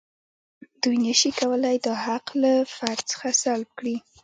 دوی نشي کولای دا حق له فرد څخه سلب کړي.